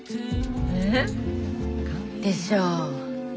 えぇ？でしょう？